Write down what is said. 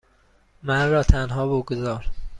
من را تنها بگذار.